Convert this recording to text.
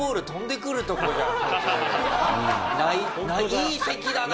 いい席だな！